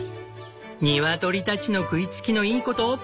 ニワトリたちの食いつきのいいこと！